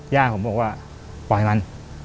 ย่าผมบอกว่าปล่อยมัน